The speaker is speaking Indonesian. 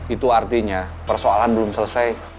itu artinya persoalan belum selesai